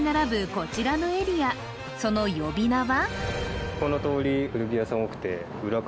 こちらのエリアその呼び名は？